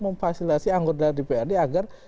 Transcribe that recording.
memfasilitasi anggaran dprd agar